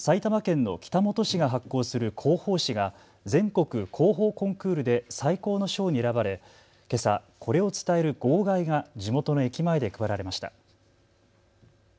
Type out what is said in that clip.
埼玉県の北本市が発行する広報紙が全国広報コンクールで最高の賞に選ばれけさ、これを伝える号外が地元の駅前で配られました。